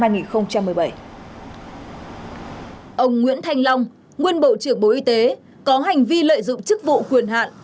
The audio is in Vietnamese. ông nguyễn thanh long nguyên bộ trưởng bộ y tế có hành vi lợi dụng chức vụ quyền hạn